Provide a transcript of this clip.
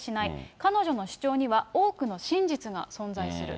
彼女の主張には多くの真実が存在する。